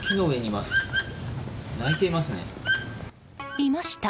いました。